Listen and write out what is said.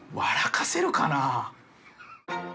かせるかな？